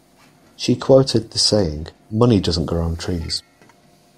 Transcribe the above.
She quoted the saying: money doesn't grow on trees.